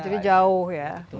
jadi jauh ya